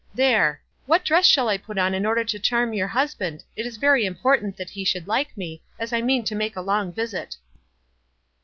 There! What dress shall I put on in order to charm your husband? It is very important that he should like me, as I mean to make a long visit."